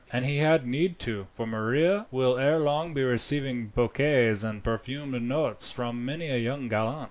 And he had need to, for Maria will ere long be receiving bouquets and perfumed notes from many a young gallant."